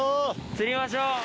釣りましょう！